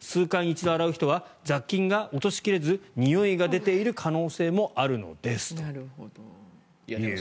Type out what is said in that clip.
数回に一度洗う人は雑菌が落とし切れずにおいが出ている可能性もあるのですという。